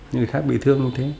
nhưng thì khác bị thương như thế